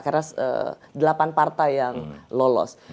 karena delapan partai yang lolos